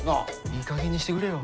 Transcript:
いいかげんにしてくれよ。